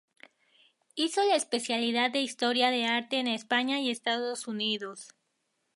Hizo la especialidad de historia de arte en España y Estados Unidos.